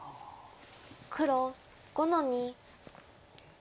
黒５の二。